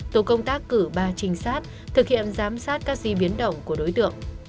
tổ công tác cử ba trinh sát thực hiện giám sát các di biến động của đối tượng